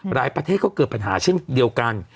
ประเทศก็เกิดปัญหาเช่นเดียวกัน